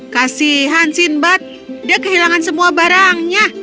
kasihan sinbad dia kehilangan semua barangnya